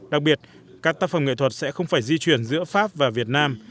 đặc biệt các tác phẩm nghệ thuật sẽ không phải di chuyển giữa pháp và việt nam